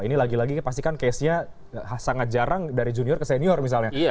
ini lagi lagi pastikan case nya sangat jarang dari junior ke senior misalnya